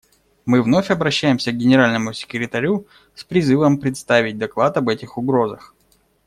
Мы вновь обращаемся к Генеральному секретарю с призывом представить доклад об этих угрозах.